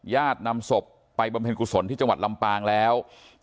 นำศพไปบำเพ็ญกุศลที่จังหวัดลำปางแล้ว